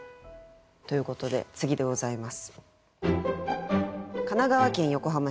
ということで次でございます。